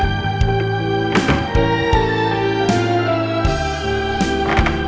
aku masih main